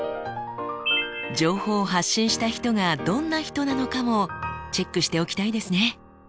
情報を発信した人がどんな人なのかもチェックしておきたいですね。